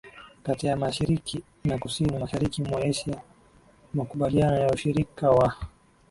kati ya Mashariki na Kusini Mashariki mwa Asia Makubaliano ya Ushirika wa